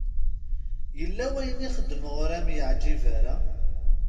Yella wayen i xedmeɣ ur am-yeɛǧib ara?